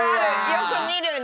よくみるね。